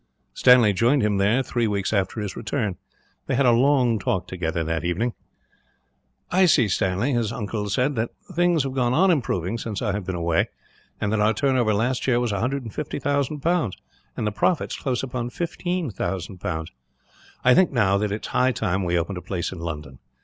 Stanley joined him there, three weeks after his return. They had a long talk together, that evening. "I see, Stanley," his uncle said, "that things have gone on improving, since I have been away; and that our turnover last year was 150,000 pounds, and the profits close upon 15,000 pounds. I think, now, that it is high time we opened a place in London.